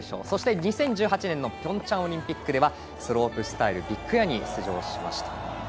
そして、２０１８年のピョンチャンオリンピックではスロープスタイルビッグエアに出場しました。